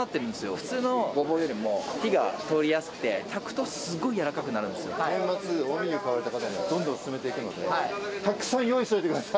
普通のゴボウよりも火が通りやすくて、炊くとすごい柔らかくなる年末、近江牛買われた方にどんどん勧めていくので、たくさん用意しておいてください。